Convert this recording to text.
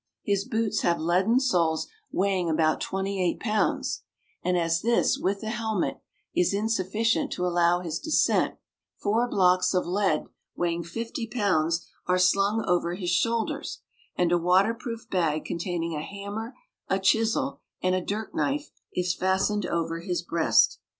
His boots have leaden soles weighing about twenty eight pounds; and as this, with the helmet, is insufficient to allow his descent, four blocks of lead, weighing fifty pounds, are slung over his shoulders; and a water proof bag containing a hammer, a chisel, and a dirk knife is fastened over his breast.